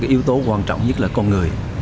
yếu tố quan trọng nhất là con người